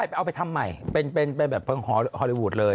เอาไปทำใหม่เป็นแบบฮอลลีวูดเลย